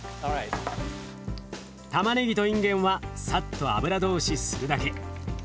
たまねぎといんげんはサッと油通しするだけ。